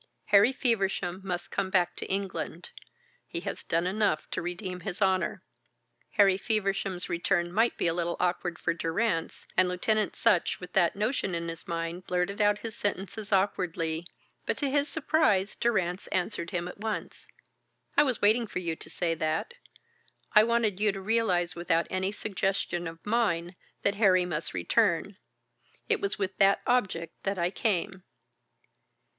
"Harry Feversham must come back to England. He has done enough to redeem his honour." Harry Feversham's return might be a little awkward for Durrance, and Lieutenant Sutch with that notion in his mind blurted out his sentences awkwardly, but to his surprise Durrance answered him at once. "I was waiting for you to say that. I wanted you to realise without any suggestion of mine that Harry must return. It was with that object that I came."